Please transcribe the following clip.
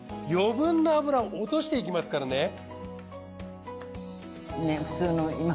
余分な油を落としていきますからね。